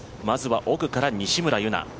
まずは奥から西村優菜。